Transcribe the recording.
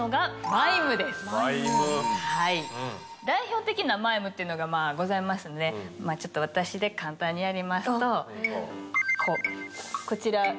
代表的なマイムっていうのがございますのでまあちょっと私で簡単にやりますとこうこちら。